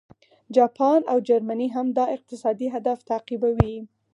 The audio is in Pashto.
جاپان او جرمني هم دا اقتصادي هدف تعقیبوي